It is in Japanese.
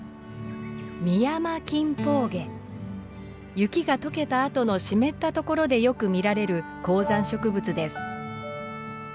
雪が解けたあとの湿ったところでよく見られる高山植物です。